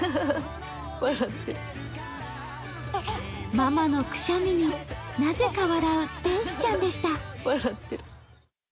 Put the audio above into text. ママのくしゃみになぜか笑う天使ちゃんでした。